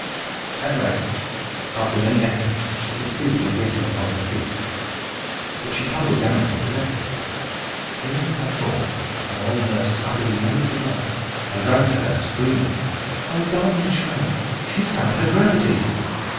At length, after many efforts, she succeeded in getting upon her feet. But she tumbled down again directly. Hearing her fall, her old nurse uttered a yell of delight, and ran to her, screaming, "My darling child! she's found her gravity!"